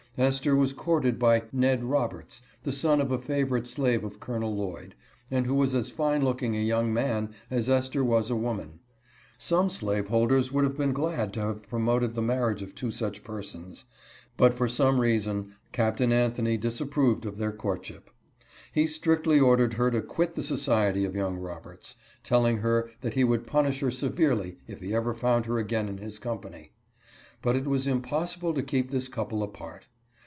Esther was courted by " Ned Roberts," the son of a favorite slave of Col. Lloyd, and who was as fine look ing a young man as Esther was a woman. Some slave 54 INTERFERENCE OP THE MASTER. holders would have been glad to have promoted the mar riage of two such persons, but for some reason Captain Anthony disapproved of their courtship. He strictly ordered her to quit the society of young Roberts, telling her that he would punish her severely if he ever found her again in his company. But it was impossible to keep this couple apart.